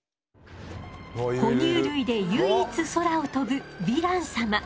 哺乳類で唯一空を飛ぶヴィラン様。